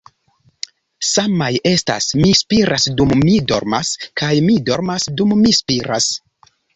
Samaj estas 'Mi spiras dum mi dormas' kaj 'Mi dormas dum mi spiras.'